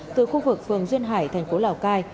từ khu vực phường duyên hải thành phố lào cai